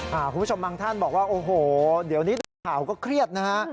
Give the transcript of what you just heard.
คุณผู้ชมบางท่านบอกว่าโอ้โหเดี๋ยวนี้ดูข่าวก็เครียดนะฮะ